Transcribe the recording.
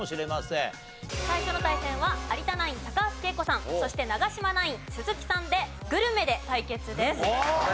最初の対戦は有田ナイン高橋惠子さんそして長嶋ナイン鈴木さんでグルメで対決です。